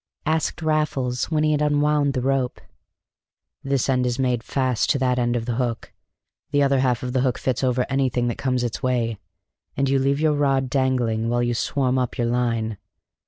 asked Raffles when he had unwound the rope. "This end is made fast to that end of the hook, the other half of the hook fits over anything that comes its way, and you leave your rod dangling while you swarm up your line.